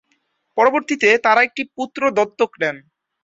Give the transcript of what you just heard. পরবর্তীতে তারা একটি পুত্র দত্তক নেন।